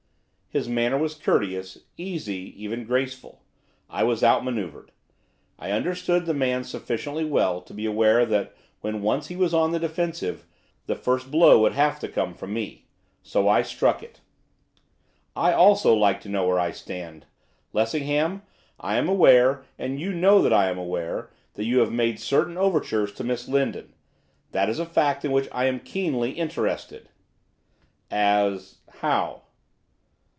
His manner was courteous, easy, even graceful. I was outmanoeuvred. I understood the man sufficiently well to be aware that when once he was on the defensive, the first blow would have to come from me. So I struck it. 'I, also, like to know where I stand. Lessingham, I am aware, and you know that I am aware, that you have made certain overtures to Miss Lindon. That is a fact in which I am keenly interested.' 'As how?